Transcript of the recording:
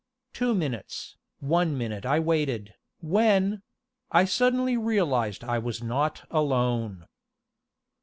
Two minutes, one minute I waited, when I suddenly realized I was not alone.